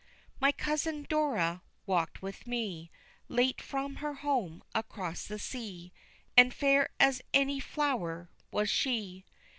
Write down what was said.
My cousin Dora walked with me Late from her home across the sea, And fair as any flower was she.